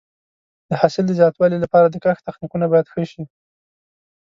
د حاصل د زیاتوالي لپاره د کښت تخنیکونه باید ښه شي.